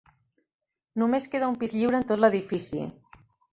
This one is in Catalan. Només queda un pis lliure en tot l'edifici.